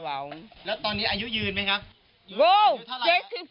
และตอนนี้อายุยืนไหมครับ